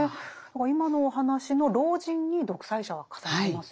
今のお話の老人に独裁者が重なりますよね。